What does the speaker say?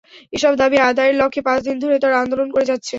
এসব দাবি আদায়ের লক্ষ্যে পাঁচ দিন ধরে তাঁরা আন্দোলন করে যাচ্ছেন।